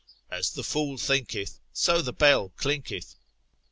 As the fool thinketh, so the bell clinketh.